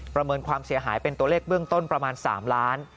ประเมินความเสียหายเป็นตัวเลขเบื้องต้นประมาณ๓ล้าน